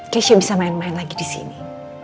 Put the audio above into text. keisha bisa main main lagi disini